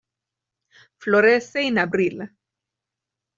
Florece en abril.